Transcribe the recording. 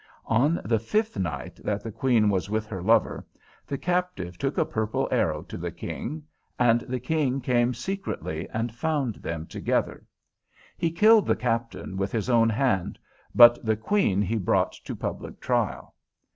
On the fifth night that the Queen was with her lover, the Captive took a purple arrow to the King, and the King came secretly and found them together. He killed the Captain with his own hand, but the Queen he brought to public trial.